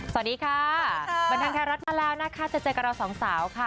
สวัสดีค่ะบรรเทิงไทยรัฐมาแล้วนะคะจะเจอกับเราสองสาวค่ะ